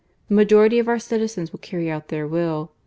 The majority of our citizens will carry out their will.